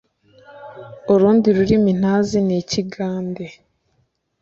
URUNDI RURIMI NTAZI n'ikigande